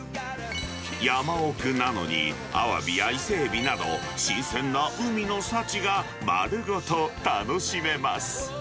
山奥なのにアワビや伊勢エビなど、新鮮な海の幸が丸ごと楽しめます。